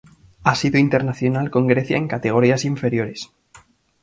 Ha sido internacional con Grecia en categorías inferiores.